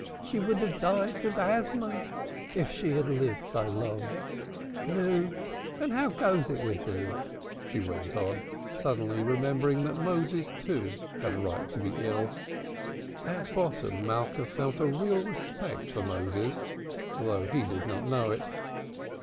She would have died of asthma if she had lived long enough. Nu, how goes it with thee?" she went on, suddenly remembering that Moses, too, had a right to be ill. At bottom, Malka felt a real respect for Moses, though he did not know it.